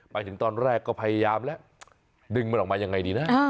ไปถึงตอนแรกก็พยายามแล้วดึงมันออกมายังไงดีนะ